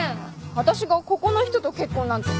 わたしがここの人と結婚なんて。